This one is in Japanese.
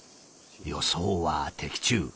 予想は的中。